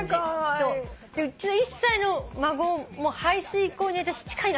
うちの１歳の孫も排水溝に近いなと思ったの。